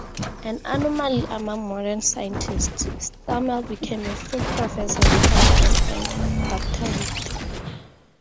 An anomaly among modern scientists, Stommel became a full professor without an earned doctorate.